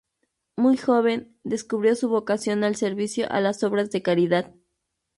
Muy joven, descubrió su vocación al servicio a las obras de caridad.